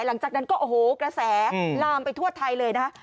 หลังจากนั้นก็โอ้โหกระแสลามไปทั่วไทยเลยนะ